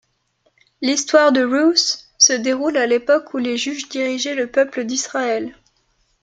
L'histoire de Ruth se déroule à l'époque où les Juges dirigeaient le peuple d'Israël.